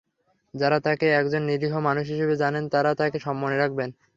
যাঁরা তাঁকে একজন নিরীহ মানুষ হিসেবে জানেন, তাঁরা তাঁকে মনে রাখবেন।